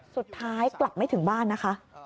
สุดท้ายกลับไม่ถึงบ้านนะคะ